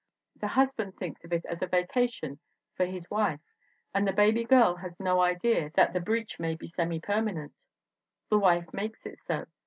The husband thinks of it as a "vacation" for his wife and the baby girl and has no idea that the breach may be semi permanent. The wife makes it so.